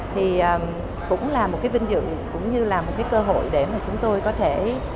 thì cũng là một cái vinh dự cũng như là một cái cơ hội để mà chúng tôi có thể